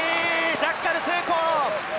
ジャッカル成功！